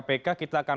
kita akan menjelaskan